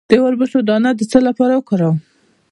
د وربشو دانه د څه لپاره وکاروم؟